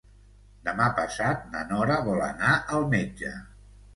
Demà passat na Nora vol anar al metge.